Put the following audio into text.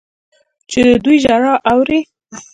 چې د دوی ژړا اوري.